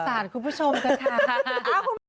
สงสารคุณผู้ชมกันค่ะ